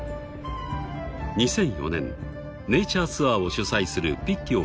［２００４年ネイチャーツアーを主催するピッキオが導入］